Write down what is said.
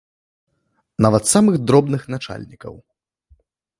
Нават самых дробных начальнікаў!